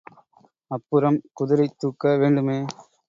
அப்புறம் குதிரைதூக்க வேண்டுமே!